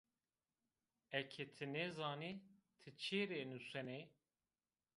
Eke ti nêzanî, ti çirê nusenî?